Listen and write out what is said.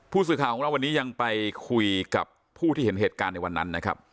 ผู้สื่อข่าวของเราวันนี้ยังไปคุยกับผู้ที่เห็นเหตุการณ์ในวันนั้นนะครับ